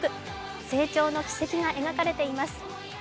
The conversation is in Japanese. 成長の軌跡が描かれています。